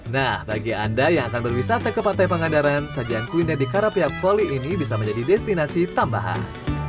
nah bagi anda yang akan berwisata ke pantai pangandaran sajian kuliner di karapia volley ini bisa menjadi destinasi tambahan